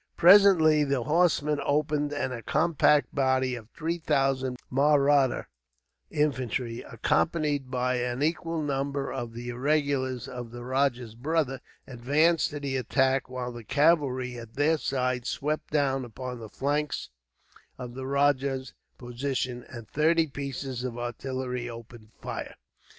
Presently the horsemen opened, and a compact body of three thousand Mahratta infantry, accompanied by an equal number of the irregulars of the rajah's brother, advanced to the attack; while the cavalry at their sides swept down upon the flanks of the rajah's position, and thirty pieces of artillery opened fire.